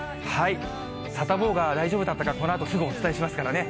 サタボーが大丈夫だったか、このあとすぐお伝えしますからね。